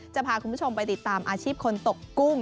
จะพาคุณผู้ชมไปติดตามอาชีพคนตกกุ้ง